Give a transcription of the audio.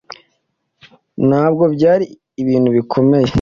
ntabwo byari ibintu bikomeye.